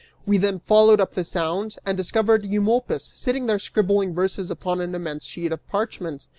We then followed up the sound and discovered Eumolpus, sitting there scribbling verses upon an immense sheet of parchment!